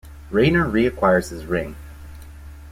Rayner reacquires his ring.